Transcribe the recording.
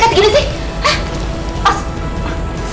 kaki tangan diikat